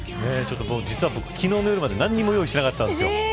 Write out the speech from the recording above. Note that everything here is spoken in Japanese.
実は、僕昨日の夜まで何にも用意してなかったんですよ。